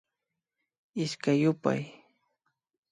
Pichka yupay